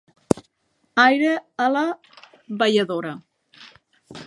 Aire a la balladora!